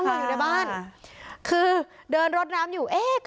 นอนอยู่ในบ้านคือเดินรถน้ำอยู่เอ๊ะ